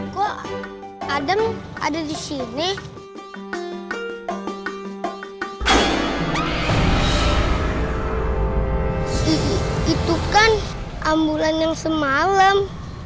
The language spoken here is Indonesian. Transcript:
kok adem ada di sini itu kan ambulan yang semalam